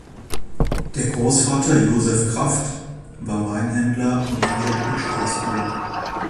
Der Großvater Josef Krafft war Weinhändler und Wirt in Straßburg.